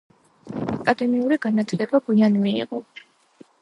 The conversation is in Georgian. აკადემიური განათლება გვიან მიიღო.